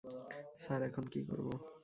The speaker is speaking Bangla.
স্যার, এখন কী করবো?